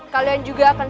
kalian juga akan